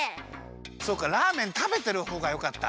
そうかラーメンたべてるほうがよかった？